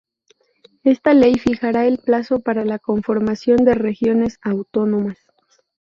Esta ley fijará el plazo para la conformación de regiones autónomas.